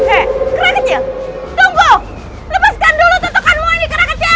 eh kera kecil tunggu lepaskan dulu tetukanmu ini kera kecil